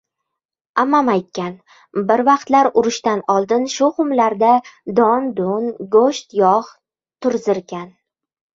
Ammam aytgan. Bir vaqtlar - urushdan oldin shu xumlarda don-dun, go‘sht-yog‘ turzirkan.